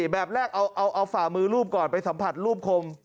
แบบแรกเอาฝ่ามือรูปก่อนไปสัมผัสรูปคม